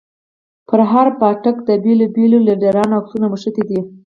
پر هر پاټک د بېلو بېلو ليډرانو عکسونه مښتي دي.